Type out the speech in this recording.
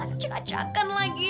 aku mau cekan lagi